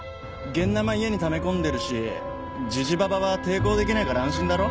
現ナマ家にため込んでるしジジババは抵抗できないから安心だろ？